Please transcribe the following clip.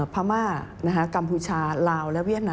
ประกอบกับต้นทุนหลักที่เพิ่มขึ้น